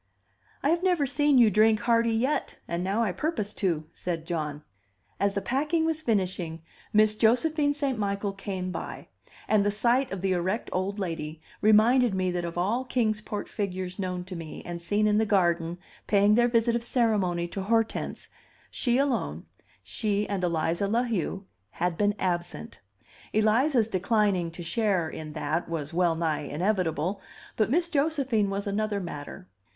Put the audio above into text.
"I have never seen you drink hearty yet, and now I purpose to," said John. As the packing was finishing Miss Josephine St. Michael came by; and the sight of the erect old lady reminded me that of all Kings Port figures known to me and seen in the garden paying their visit of ceremony to Hortense, she alone she and Eliza La Heu had been absent. Eliza's declining to share in that was well nigh inevitable, but Miss Josephine was another matter.